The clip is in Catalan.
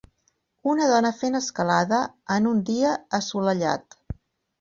Una dona fent escalada en un dia assolellat.